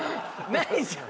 ないじゃん。